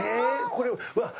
これうわっ